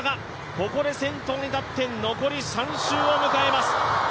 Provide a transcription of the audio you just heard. ここで先頭に立って残り３周を迎えます。